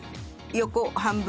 横半分。